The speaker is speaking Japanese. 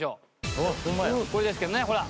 これですけどねほら！